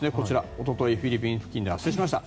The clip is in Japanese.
おととい、フィリピン付近で発生しました。